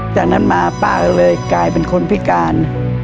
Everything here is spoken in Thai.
จากนั้นมาป้าก็เลยกลายเป็นคนพิการ